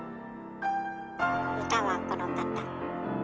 歌はこの方。